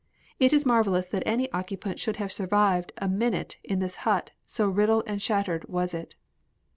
It is marvelous that any occupant should have survived a minute in this hut, so riddled and shattered was it.